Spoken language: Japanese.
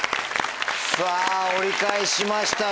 さぁ折り返しましたよ。